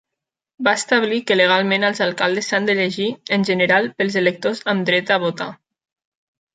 Va establir que legalment els alcaldes s'han d'elegir, en general, pels electors amb dreta a votar.